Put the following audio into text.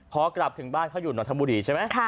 พอกลับถึงบ้านเขาอยู่นนทบุรีใช่ไหม